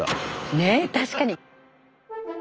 ねえ確かに。